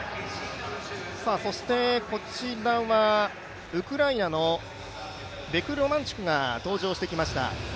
そしてこちらはウクライナのベクロマンチュクが登場してきました。